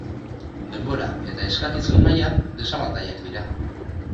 Denbora eta eskakizun maila desabantailak dira.